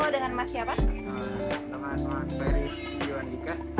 dengan mas feris yuhandika